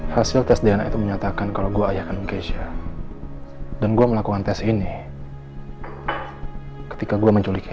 hasil tes dna itu menyatakan kalau gua ayahkan keisha dan gua melakukan tes ini ketika gua menculik